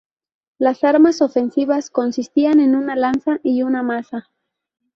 Las armas ofensivas consistían en una lanza y una maza.